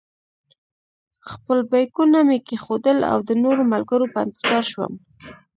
خپل بېکونه مې کېښودل او د نورو ملګرو په انتظار شوم.